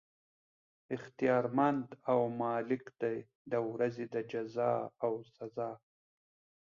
اختيار مند او مالک دی د ورځي د جزاء او سزاء